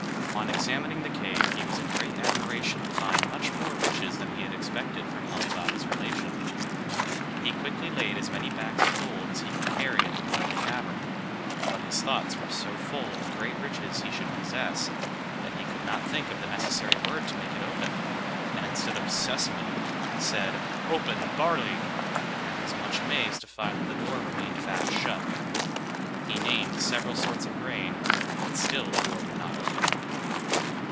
On examining the cave, he was in great admiration to find much more riches than he had expected from Ali Baba's relation. He quickly laid as many bags of gold as he could carry at the door of the cavern; but his thoughts were so full of the great riches he should possess, that he could not think of the necessary word to make it open, and instead of "Sesame" said, "Open, Barley!" and was much amazed to find that the door remained fast shut. He named several sorts of grain, but still the door would not open.